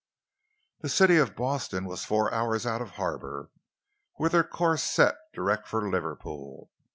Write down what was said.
The City of Boston was four hours out of harbour, with her course set direct for Liverpool.